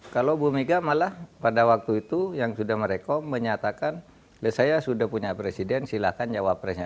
kalau bu mega malah pada waktu itu yang sudah merekom menyatakan saya sudah punya presiden silahkan jawab presnya